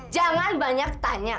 jangan banyak tanya